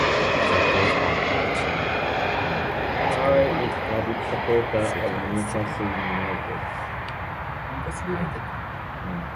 The pods are up to in length and wide and sparsely haired.